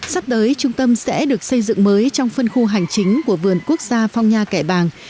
sắp tới trung tâm sẽ được xây dựng mới trong phân khu hành chính của vườn quốc gia phong nha kẻ bàng